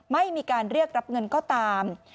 ไม่มีการเรียกรับเงินก็ตาม